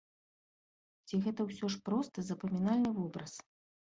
Ці гэта ўсё ж просты, запамінальны вобраз?